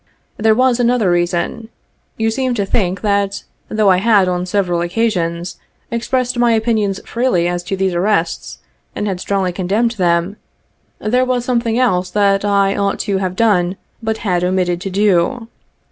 There was another reason. You seemed to think that, though I had on several occasions expressed my opinions freely as to these arrests, and had strongly condemned them, there was something else that I ought to have done, but had omitted to do.